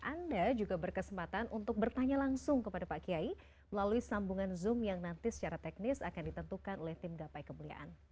anda juga berkesempatan untuk bertanya langsung kepada pak kiai melalui sambungan zoom yang nanti secara teknis akan ditentukan oleh tim gapai kemuliaan